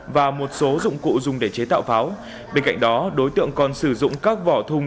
và một số dụng cụ dùng để chế tạo pháo bên cạnh đó đối tượng còn sử dụng các vỏ thùng